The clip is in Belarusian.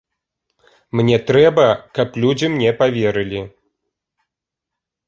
Мне трэба, каб людзі мне паверылі.